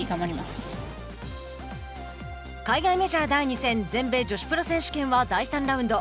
海外メジャー第２戦全米女子プロ選手権は第３ラウンド。